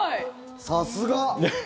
さすが！